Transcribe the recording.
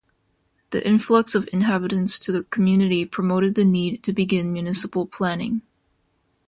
The influx of inhabitants to the community promoted the need to begin municipal planning.